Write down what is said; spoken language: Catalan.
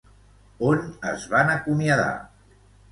On es van acomiadar?